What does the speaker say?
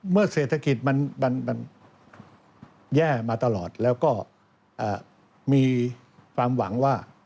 เศรษฐกิจมันแย่มาตลอดแล้วก็มีความหวังว่า